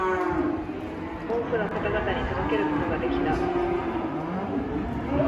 多くの方々に届けることができた